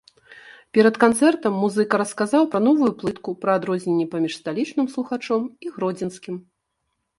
Перад канцэртам музыка расказаў пра новую плытку, пра адрозненні паміж сталічным слухачом і гродзенскім.